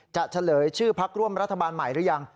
เฉลยชื่อพักร่วมรัฐบาลใหม่หรือยัง